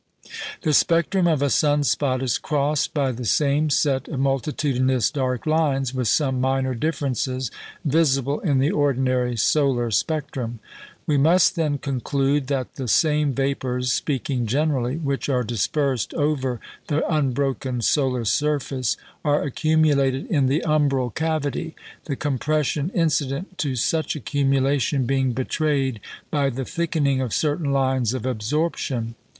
The spectrum of a sun spot is crossed by the same set of multitudinous dark lines, with some minor differences, visible in the ordinary solar spectrum. We must then conclude that the same vapours (speaking generally) which are dispersed over the unbroken solar surface are accumulated in the umbral cavity, the compression incident to such accumulation being betrayed by the thickening of certain lines of absorption.